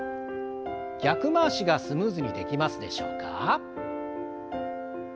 逆回しがスムーズにできますでしょうか？